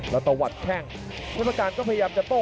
แล้วตะวัดแค่งเพศกาลก็พยายามจะโต๊ะ